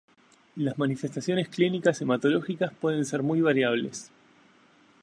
Las manifestaciones clínicas hematológicas pueden ser muy variables.